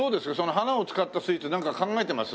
花を使ったスイーツなんか考えてます？